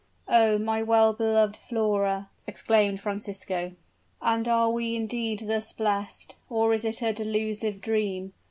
"Oh! my well beloved Flora!" exclaimed Francisco; "and are we indeed thus blest, or is it a delusive dream?